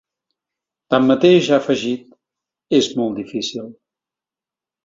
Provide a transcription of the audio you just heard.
Tanmateix, ha afegit: És molt difícil.